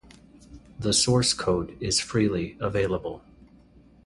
The source code is freely available.